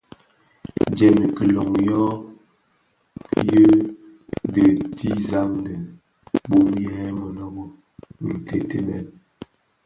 Dièm i kilōň yo yin di dhisaňdèn bum yè mënōbō ntètèbèn.